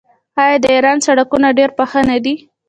آیا د ایران سړکونه ډیر پاخه نه دي؟